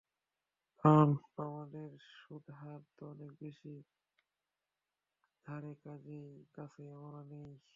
কারণ আমাদের সুদহার তো অনেক বেশি, তাদের সুদহারের ধারে-কাছেই আমরা নেই।